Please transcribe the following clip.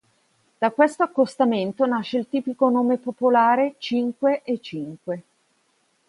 Da questo accostamento nasce il tipico nome popolare: "cinque e cinque".